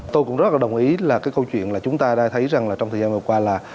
tôi cũng rất là đồng ý là cái câu chuyện là chúng ta đã thấy rằng là trong thời gian vừa qua là